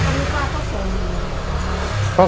เขารู้ว่าเขาเป็น